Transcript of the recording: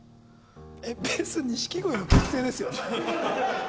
えベース錦鯉の結成ですよね？